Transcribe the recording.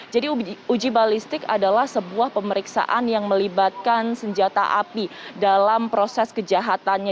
jadi uji balistik adalah sebuah pemeriksaan yang melibatkan senjata api dalam proses kejahatannya